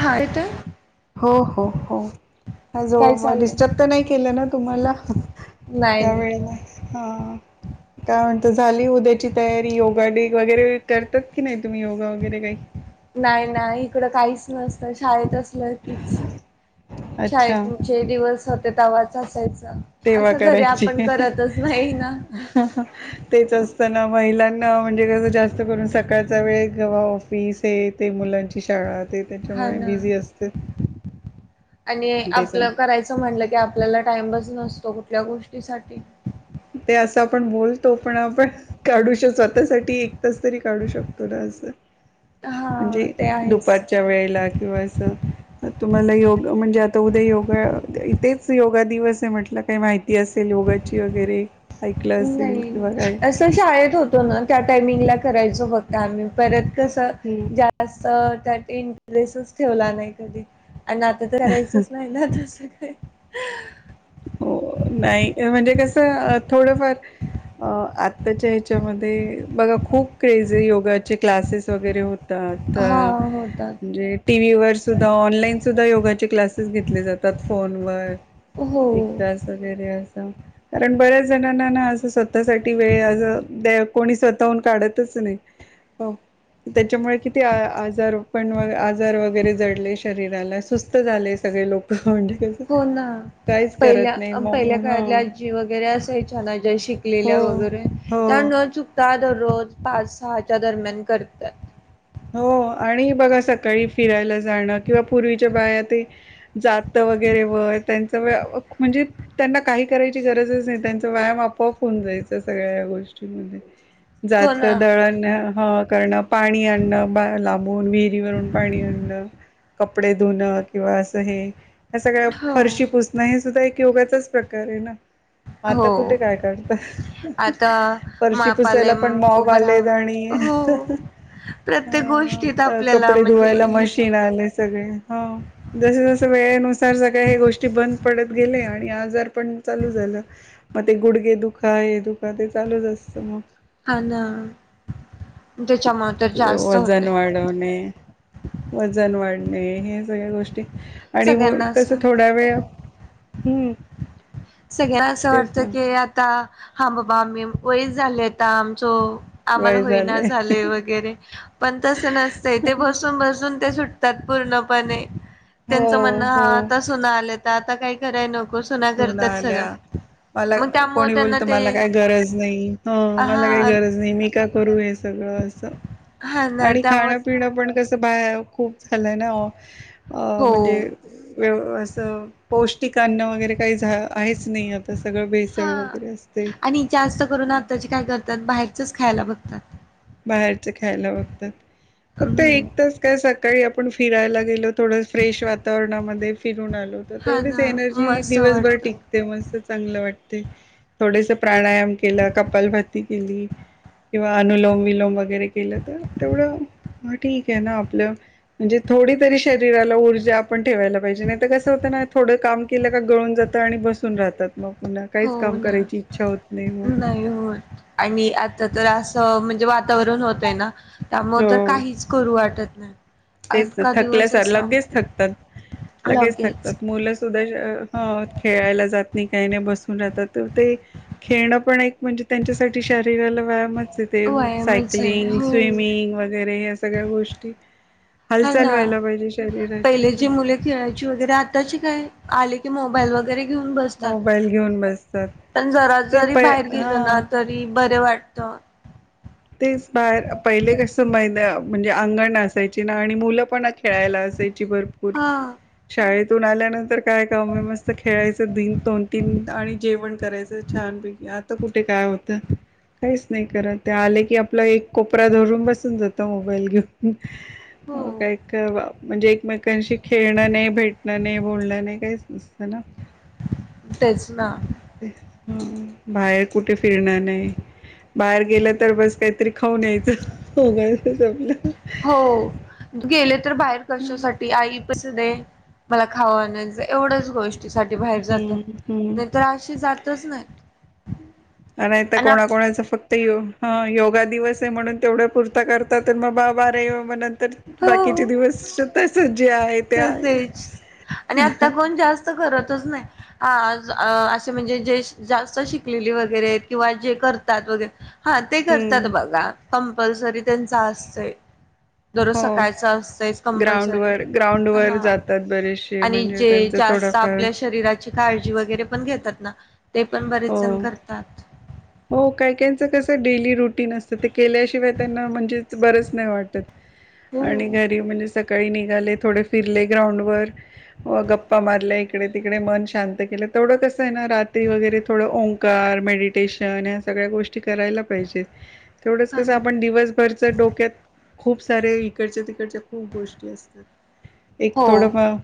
हा येतोय. हो हो हो जो काय चाललंय डिस्टर्ब तर नाही केलं ना तुम्हाला ह नाही नाही यावेळेला हा काय म्हणता झाली उद्याची तयारी योगा डे वगैरे करतात की नाही तुम्ही योगा वगैरे काही नाही नाही इकड काहीच नसतं शाळेत असत नक्कीच अच्छा शाळेचे दिवस ते तवाच असायचं तेव्हा असं घरी करायची आपण करतच नाही ना तेचच त्यांना महिलांना म्हणजे कसं जास्त करून सकाळचा वेळ कवा ऑफिस हे ते मुलांची शाळा. ते हा त्याच्यामुळे ना बिझी असते आणि त्याचा आपलं करायचं म्हटलं की आपल्याला टाईंबच नसतो. कुठल्या गोष्टीसाठी ते असं आपण बोलतो पण आपण काढू शक स्वतःसाठी एकटंच तरी काढू शकतो ना असं. हा म्हणजे ते आहेच दुपारच्या वेळेला किंवा अस तुम्हाला योग म्हणजे तर उद्या योगा इथेच योगा दिवस आहे म्हटलं काही माहिती असेल योगाची. घरे नाही असं शाळेत होतं तो ना त्या टायमिंगला करायचो फक्त आम्ही परत कसं हम्म जास्त त्या इंटरेस्ट ठेवला नाही कधी. आणि आता तर करायचंच नाही ना आता असं काय हम हो नाही म्हणजे कस थोडंफार आताच्या ह्याच्यामध्ये बघा खूप क्रेज योगाचे क्लासेस वगैरे हो हां होतात. म्हणजे टीव्ही वर सुद्धा ऑनलाईन सुद्धा योगाचे क्लास घेतले जातात, फोनवर हो, एक तास वगैरे असा कारण बऱ्याच जणांना ना असं स्वतःसाठी वेळ अस कोणी स्वतःहून काढतच नाही. हो, त्याच्यामुळे किती आजार पण आजार वगैरे जडले शरीराला, सुस्त झाले सगळे लोकं म्हणजे कसं हो ना. काहीच पहिल्या करत नाही मग पहिल्या ह काळातल्या आजी वगैरे असायच्या ना, ज्या हो शिकलेल्या वगैरे हो त्या न चुकता त्या दररोज पाच सहाच्या दरम्यान करतात. हो आणि बघा सकाळी फिरायला जाणं किंवा पूर्वीच्या बाया ते जात वगैरे व त्यांच व म्हणजे त्यांना काही करायची गरजच नाही त्यांचा व्यायाम आपोआप होऊन जायचा सगळ्या गोष्टीमध्ये. हो ना. जातं, दळण. ह कारण पाणी आणं न, लांब लांबून विहिरी वरून पाणी आणणं, कपडे धुणं किंवा असं हे या सगळ्या हो, फरशी पुसणं हे सुद्धा एक योगाचाच प्रकार आहे ना. आता हो. कुठे काय करत आता फरशी मापाले पुसायला पण मॉब उभं आलेत राहून आणि हो. प्रत्येक गोष्टीत आपल्याला कपडे म्हणजे धुवायला हे मशीन आले सगळे हे, जसं जसं वेळेनुसार सगळे हे गोष्टी ब पडत गेले आणि आजार पण चालू झालं मग ते गुडघे दुखा हे दुखा ते चालूच असतं मग. हा ना. त्याच्यामुळे तर जास्त वजन होतंय वाढवणे, वजन वाढ नाही हे सगळ्या गोष्टी आणि मग सगळ्यांना कसं असं थोडा वेळ हम्म. सगळ्यांना असं तेच वाटतं ना की आता हा बाबा आमही वय झालं आता आमचं. आम्हाला वय होईना झालंय झाले वगैरे पण तसं नसतयं ते बसून बसून ते सू त्यात पूर्णपणे हो त्यांचं म्हणणं हा हो आता सुना आलेता आता काही कराय नको को मग सूना कर सुना आल्या मला कोणी त्यांना बोलत ते मला काही गरज नाही मला काही हा गरज नाही मी का करू हे सगळं स हा ना आणि त्यामुळे खाण पिणं पण कसं बाळ खूप झालं आहे ना ओ हो म्हणजे व्य आसं पौष्ट ठिकाण वगैरे काही झा आहेच नाही आता सगळं हा भेसळ वगैरे असते चच खायला बघतात. बाहेरच खायला बघतात फक्त हम्म एकटच काय सा काही आपण फिरायला गेलो थोडं फ्रेश वातावरणामध्ये फिरून आलो तर हा तेवढीच ना एनर्जी मस्त दिवसभर वाटत टिकते मस्त चांगलं वाटत ते थोडेसे प्राणायम केला कपल भात्ती केली किंवा अनुलोम विलोम वगैरे केलं तर तेवढं हा ठीक आहे ना आपलं म्हणजे थोडी तरी शरीराला ऊर्जा आपण ठेवायला पाहिजे नाही तर कसं होतं ना थोडं काम केलं का गळून जातं आणि बसून राहतात मग पुन्हा काहीच हो काम ना करायची इच्छा होत मग नाही होत आणि मी आता तर आसं म्हण जे वातावरण होतय ना त्यामुळ तर हो काहीच करू वाटत [inaudible] तेच त अका दिवस थकल्यासार असा लगेच थकतात लगेच थकतात मुलं सुद्धा खेळायला जात नाही काही नाही बसून राहतात तर ते खेळणं पण एक म्हणजे त्यांच्यासाठी शरीराला व्यायाम च ते व्यायामच आहे सायकलिंग, हो स्विमिंग वगैरे आस सगळ्या गोष्टी हा ना व्हायला पाहिजे शरीराची पहिले जी तशी मुले खेळायची वगैरे आताची काय आले की मोबाईल वगैरे घेऊन बसतात मोबाईल घेऊन बसतात पण जरा ते जरी प बाहेर गेल हा ना तरी बर वाटतं. तेच बाहेर पहिले कसं महिन्या म्हणजे अंगण असायची ना आणि मुलं पण खेळायला असायची भरपूर हा शाळेत तुन आल्यानंतर काय काम मस्त खेळायचं दीड दोन तास आणि जेवण करायचं छानपैकी आ कुठे काय होत काहीच नाही करत ते आले की आपला एक कोपरा धरून बसून जातो मोबाईल घेऊन हो काय का म्हणजे एकमेकांशी खेळणं नाही भेटणं नाही बोलणं नाही काहीच चला. तेच ना. ह बाहेर कुठे फिरणार नाही बाहेर गेलं तर बस. काहीतरी खाऊन यायचं, हो गायचच आपल. हो गेले तर बाहेर. कषासाठी आई. दे मला खावानच एवढच गोष्टी साठी बाहेर जातात, हम्म नाही तर अशी जातच नाही. नाहीत आणि कोणा कोणाच फक्त यो हा योगा दिवस आहे, म्हणून तेवढ्या पूर्ता करतात म बा बारे म्हणत. तर बाकीचे हो दिवसत. तसेच आणि आता कोण जास्त करतच नाही. हा असे म्हणजे जे जास्त शिकलेली वगैरे किंवा जे करतात वगैरे. हा ते करतात हम्म बघा. कंपलसरी त्यांचा असतंय. दररोज हो सकाळच असतंयच ग्राउंड कंपल्सरी. वर ग्राउंड वर हा जातात बरेचसे आणि म्हणजे जे त्यांच जास्त थोडाफार आपल्या शरीराची, काळजी वगैरे पण घेतात. ना. ते पण हो बरेच जण करतात. हो कायकच कसं डेली रुटीन असतं ते. केल्याशिवाय त्यांना म्हणजेच बरच नाही वाटत, आणि हो. घरी म्हणजे. सकाळी निघाले थोडे फिरले ग्राउंड वर, व गप्पा मारल्या इकडे तिकडे मन शांत केलं तेवडं कस. आहे ना रात्री वगैरे थोडं ओ मकार मेडिटेश अन ह्या सगळ्या गोष्ट करायला पाहिजे तेवढंच कसं आणि आपण दिवसभरच डोक्यात खूप सारे इकडच्या, तिकडच्या, खूप गोष्टी असतात. एक हो थोडं म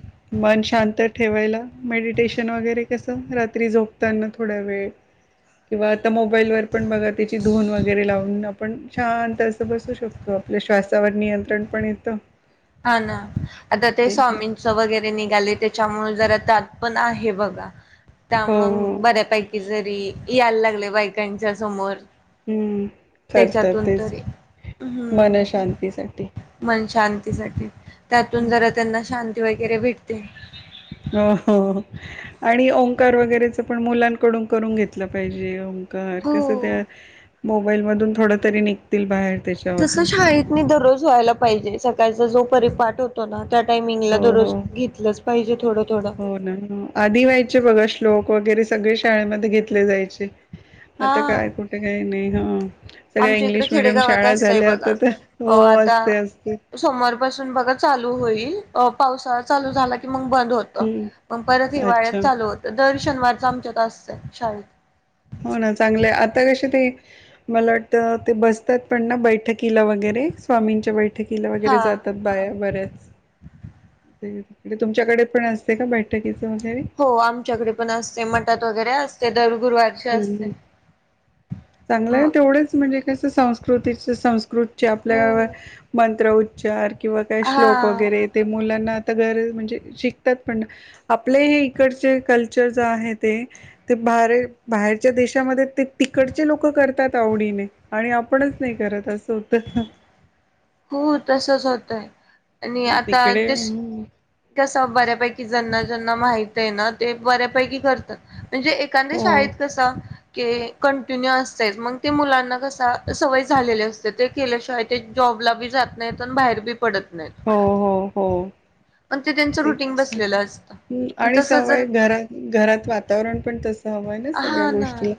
मन शांत ठेवायला मेडिटेशन वगैरे कसं रात्री झोपताना थोडा वेळ किंवा आता मोबाईल वर पण बघा त्याची धुून वगैरे लावून आपण शांत असं बसू शकतो, आपल्या श्वासावर नियंत्रण पण येतं. हा ना आता ते टेन्शन स्वामींच वगैरे निघाले त्याच्यामुळे जरा त्यात पण आहे बघा. त्या हो मग हो बऱ्यापैकी जरी. यायला लागलय बायकांच्या समोर. हम्म करत त्याच्यातून तेच तरी हम्म मनशांतीसाठी. साठीे. त्यातून जरा त्यांना शांत. ते वगैरे भेटते. उपकार वगैरेच पण मुलांकडून करून घेतलं पाहिजे ओंग कार कसं हो. त्या. मोबाईल मधून थोड तरी निघतील बाहेर. तस त्याच्यातून शाळेत नी दररोज व्हायला पाहिजे. सकाळचा जो परिपाठ होतो ना, त्या टायमिंगला हो हो दररोज घेतलंच पाहिजे थोडं थोडं हो ना आधी व्हायचे बघा श्लोक. वगैरे सगळे शाळेमध्ये घेतले जायचे. हा आता काय कुठे काय नाही. हा. सगळ्या आमच्या इकडे इंग्लिश मिडियम खेडेगावात शाळा असतय झाल्या बघा आता तर अ हो आता असते असते सोमवार पासून बघा चालू होईल. अ पावसाळा चालू झाला की मग बंद होत हम्म मग परत हिवाळ्यात अच्छा चालू होत. शनिवार च आमच्या त असत शाळेत. हो ना चांगले आता कशी ते मला वाटत ते बसतात पण ना बैठक. किला वगैरे स्वामींच्या बैठकीला वगैरे हा जातात बाया बऱ्याच ते तुमच्याकडे पण असते का बैठकीच हो आमच्याकडे पण असते मटात वगैरे असते. दर गुरुवारची असते हम्म म चांगलंय तेवढेच म्हणजे. कसं संस्कृतीच संस्कृत च्या हो आपल्या मंत्र उच्च चार किंवा काय हा श्लोक वगैरे य ते मुलांना. त गर म्हणजे शिकतात पण आपले हे इकडचे कल्चर ज आहे ते ते भार बाहेरच्या देशामध्ये ते तिकडचे लोक करतात आवडीने आणि आपणच नाही करत असं. हो तच ह. हो तसच होतय आणि आता तिकडे तेस हम्म. कस बऱ्यापैकी जना जना माहित आहे ना, ते बऱ्यापैकी करतात. म्हणजे एखाद्या हो शाळेत कस के कंटिन्यू असते मंग ते मुलांना कसा सवय झालेले असते ते केल्याशिवाय ते जॉब [unintelligible] जात नाही बाहेर बी हो हो हो पण त्यांचं ते रुटीन बसलेलं असतं. पण आणि तसं जर सवय घरात घरात वातावरण पण तस हवंयं ना सगळ्या हा ना गोष्टी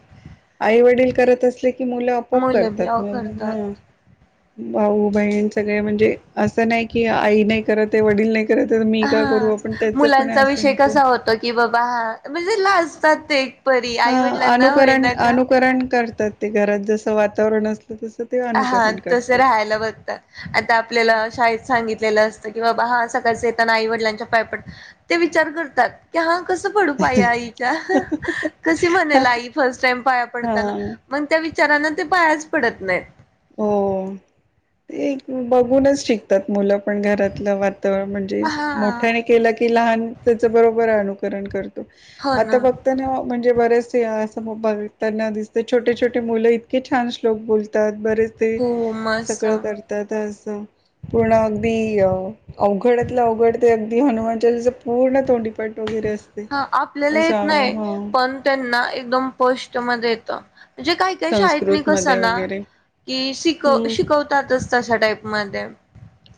आई वडील - - करत असले - - की मुलं आपआप मुलं बी करतात अहो मग करतात. म्हणुन- - भाऊ बहीण सगळे म्हणजे असं - - कि आई नाही करत आहे वडील नाही करत तर मी का करू हा आपण त्याच पण मुलांचा असं विषय तर कसा होतो की बाबा हा - म्हणजे - लाजतात ते - - हा अनुकरण अनुकरण करतात ते घरात जस - - वातावरण अस - - हा तस राहायला बघतात आता आपल्याला शाळेत सांगित - - लेलं असत कि बाबा हा सकाळच येताना आई वडलांच्या पाय पड ते विचार करतात कि हा - - कस पडू पाया आईच्या कशी म्हणेल आई फर्स्ट टाईम पाया हा पडताना मग त्या वि चारांना ते पायाच पडत नाही. हो. ते बघूनच शिकतात मुलं. पण घरातलं वातावरण म्हणजे हां, मोठ्याने केलं की लहान त्याच बरोबर आणूकर - - ण कर. आता बघत ना आप - - े बर्याच असं बघताना दिसते छोटे छोटे मुलं इतके छान श्लोक बोलतात. बरेच ते हो, मस्त. सगळं करतात. आ - - पूर्ण अगदी अ अवघडतलं अवघड ते अगदी हनुमानचालीच पूर्ण तोंडी हा आपल्याला येत नाही हा पण त्यांना एकदम पष्ट मध्ये येत. त म्हणजे काही काही शाळेत नी कस संस्कृतमध्ये ना वगैरे की शि हम्म शिकवतातच तशा टाईप मध्ये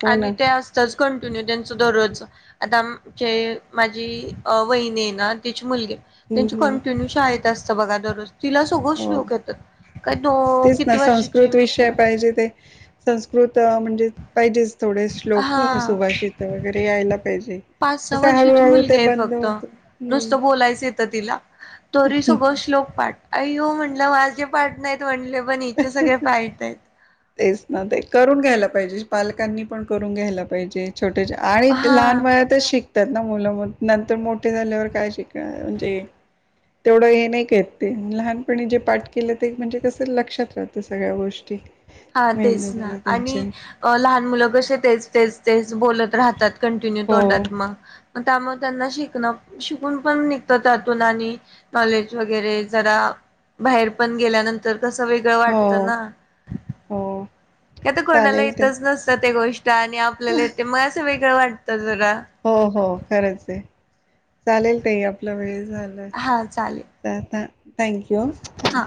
हो ना आणि ते असतचं कंटि - - त्यांच दरोज आता म चे मा झी वहिनी हैना तिची मुलगी हम्म त्यांची हम्म कंटिन्यू शाळेत असतं बघा दरोज- - तिला सगळं हो. श्लोक येतात काय दोन तेच ती ना किती वर्षाची संस्कृत माहिती विषय का? पाहिजे ते संस्कृत म्हणजे पाहिजेच. थोडे का श्लोक हा सुभाषित वगैरे यायला पाहिजे पाच सहा कस वर्षाची हळूहळू मुलगी ते आहे बंद फक्त होत ह. नुसतं बोलायचं येतं तिला अयो म्हणलं माझे पाट नाहीत म्हणले - - पण हिचे सगळे पायट हाईत. तेच ना ते करून घ्यायला पाहिजे. पालकांनी पण करून घ्यायला पाहिजे. छोटे आणि लहान हा वया तचं शिक- - नंत मोठे झाल्यावर काय शिक म्हणजे तेवढं हे नाही ते लहापनी जे पाठ केलं ते म्हणजे ल - - क्षात सगळ्या गोष्टी हा तेच ना मेंदूला आणि त्यांच्या लहान मुलं कसे तेच तेच तेच बोलत राहतात कंटिन्यू हो, तोंडात मग त्यामुळे त्यांना शिकणं शिकून पण निघतं त्यातून आणि नॉलेज वगैरे जरा बाहेर पण गेल्यानंतर तसं वेगळं वाटतं हो, ना हो. त्या तर कोणाला चालेल ते इथंच नसतं ते गोष्ट आणि आपल्याला मग असं वे वाटत जर हो हो खरंच आहे. चालेल त आपला वेळ हा चालेल झालं थँक्यू हा.